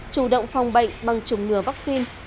chủ động phòng bệnh bằng chùng ngừa vaccine